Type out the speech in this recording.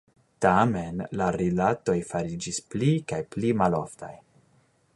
Tamen, la rilatoj fariĝis pli kaj pli maloftaj.